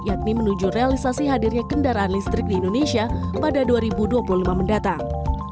yakni menuju realisasi hadirnya kendaraan listrik di indonesia pada dua ribu dua puluh lima mendatang